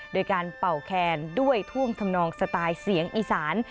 โดยการเป่าแคนด้วยท่วงทำนองสไตล์เสียงอีสาน